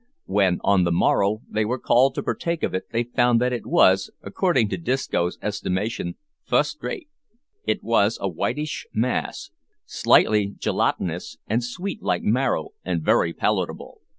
When, on the morrow, they were called to partake of it they found that it was, according to Disco's estimation, "fust rate!" It was a whitish mass, slightly gelatinous and sweet, like marrow, and very palatable.